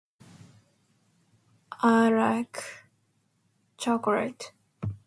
I like... chocolate.